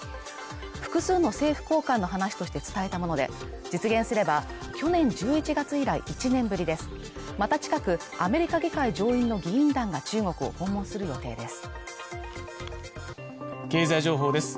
複数の政府高官の話として伝えたもので実現すれば去年１１月以来１年ぶりですまた近くアメリカ議会上院の議員団が中国を訪問する予定です